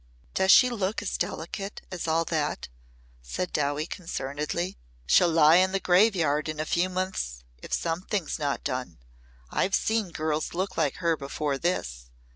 "Does she look as delicate as all that?" said Dowie concernedly. "She'll lie in the graveyard in a few months if something's not done. I've seen girls look like her before this."